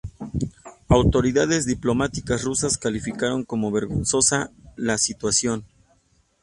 Autoridades diplomáticas rusas calificaron como "vergonzosa" la situación.